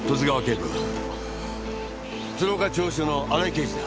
鶴岡中央署の荒井刑事だ。